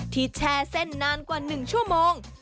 แชร์เส้นนานกว่า๑ชั่วโมง